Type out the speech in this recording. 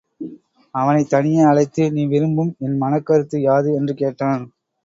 அவனைத் தனியே அழைத்து நீ விரும்பும் என் மனக் கருத்து யாது? என்று கேட்டான்.